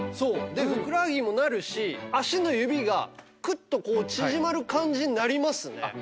でふくらはぎもなるし足の指がクッとこう縮まる感じになりますね。